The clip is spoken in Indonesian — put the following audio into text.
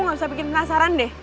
nggak usah bikin penasaran deh